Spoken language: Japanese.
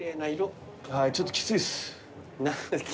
ちょっときついです。